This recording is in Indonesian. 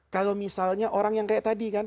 kalau misalnya orang yang seperti tadi